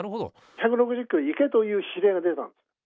１６０キロでいけという指令が出たんです。